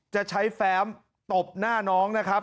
จะใช้แฟ้มตบหน้าน้องนะครับ